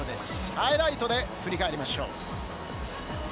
ハイライトで振り返りましょう。